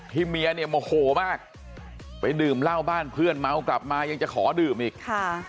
เมียเนี่ยโมโหมากไปดื่มเหล้าบ้านเพื่อนเมากลับมายังจะขอดื่มอีกค่ะ